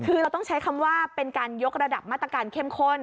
คือเราต้องใช้คำว่าเป็นการยกระดับมาตรการเข้มข้น